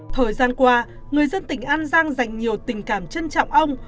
thời gian qua người dân tỉnh an giang dành nhiều tình cảm trân trọng ông